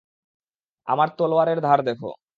আমার তলোয়ারের ধার দেখ।